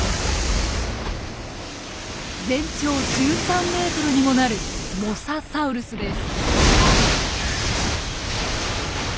全長１３ｍにもなるモササウルスです。